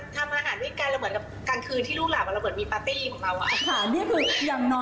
ทุกวันนี้เรายังแบบกลางคืนลูกหลับมานอนดูหนังด้วยกัน